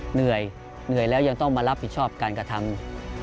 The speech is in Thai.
เหนื่อยเหนื่อยแล้วยังต้องมารับผิดชอบการกระทำ